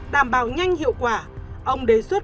đảm bảo nhanh hiệu quả ông đề xuất